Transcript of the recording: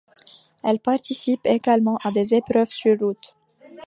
Elle participe également à des épreuves sur route.